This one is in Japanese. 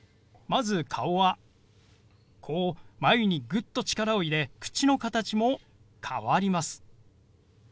まず顔はこう眉にぐっと力を入れ口の形も変わります。